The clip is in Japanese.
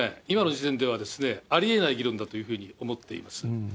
今の時点ではありえない議論だというふうに思っています。